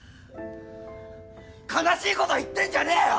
悲しいこと言ってんじゃねえよ！